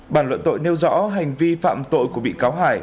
bản luận tội nêu rõ hành vi phạm tội của bị cáo hải